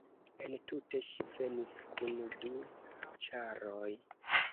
Entute ŝi venis kun du ĉaroj.